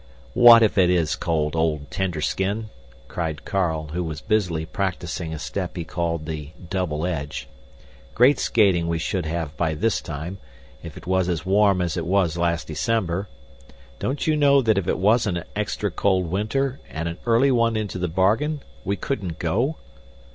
"What if it is cold, old Tender skin?" cried Carl, who was busily practicing a step he called the "double edge." "Great skating we should have by this time, if it was as warm as it was last December. Don't you know that if it wasn't an extra cold winter, and an early one into the bargain, we couldn't go?"